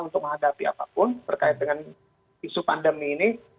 untuk menghadapi apapun terkait dengan isu pandemi ini